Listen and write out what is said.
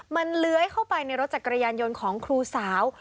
มันเลื้อยเข้าไปในรถจักรยานยนต์ของครูสาว